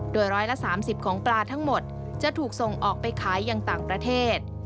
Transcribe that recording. โดย๑๓๐ของปลาทั้งหมดจะถูกส่งออกไปขายอย่างต่างประเทศ